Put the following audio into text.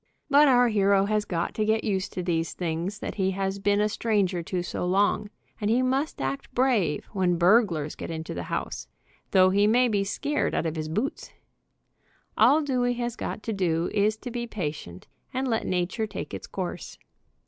But our hero has got to get used to these things that he has been a stranger to so long, and he must act brave when burglars get into the house, though he may be scared out of his boots. All Dewey has got to do is to be patient, and let nature take its course.